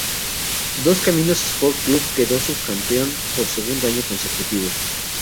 Dos Caminos Sport Club quedó subcampeón por segundo año consecutivo.